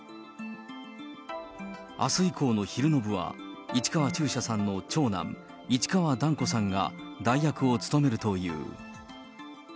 あす以降の昼の部は、市川中車さんの長男、市川團子さんが代役を務めるという。